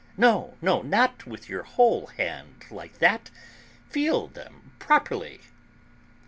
No, no, not with your whole hand like that; feel them properly!"